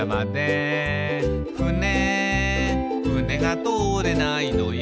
「ふねふねが通れないのよ」